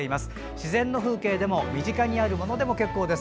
自然の風景でも身近にあるものでも結構です。